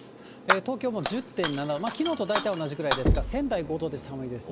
東京も１０．７度、きのうと大体同じくらいですが、仙台５度で寒いですね。